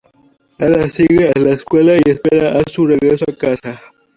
Él la sigue a la escuela y espera a su regreso a casa.